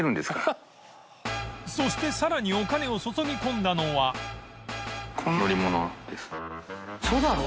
磴修靴さらにお金を注ぎ込んだのは大島）ウソだろ？